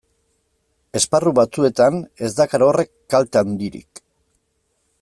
Esparru batzuetan ez dakar horrek kalte handirik.